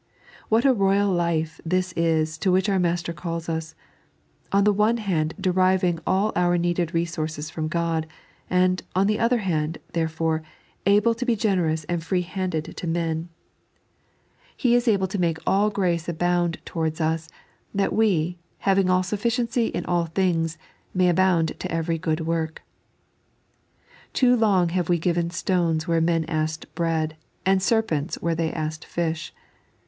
What a royal life this is to which our Master calls us — on the one hand, deriving all our needed resources from God ; and, on the other hand, therefore, able to be generous and free handed to men. " He is able to make all grace 3.n.iized by Google ^•Bbbak and Give!" 181 abound towarda us, that we, having all sufficiency in all things, may abound to every good work." Too loDg have we given stones wh^'e men asked bread, and serpents where they asked fish.